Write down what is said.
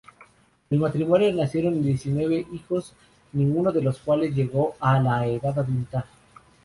Del matrimonio nacieron diecinueve hijos ninguno de los cuales llegó a la edad adulta.